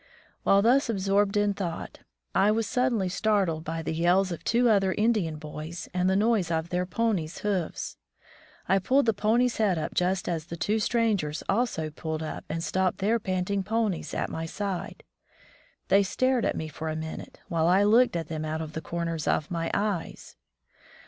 While thus absorbed in thought, I was suddenly startled by the yells of two other Indian boys and the noise of their ponies' hoofs. I pulled the pony's head up just as the two strangers also pulled up and stopped their panting ponies at my side. They stared at me for a minute, while I looked at them out of the comers of my eyes.